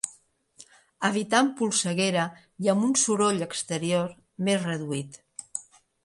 Evitant polseguera i amb un soroll exterior més reduït.